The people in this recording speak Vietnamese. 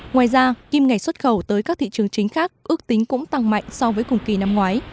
ngoài ra kim ngạch xuất khẩu tới các thị trường chính khác ước tính cũng tăng mạnh so với cùng kỳ năm ngoái